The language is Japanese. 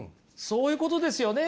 そういうことですよね。